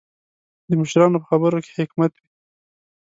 د مشرانو په خبرو کې حکمت وي.